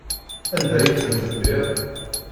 Anda ay ten-tebbiḍ?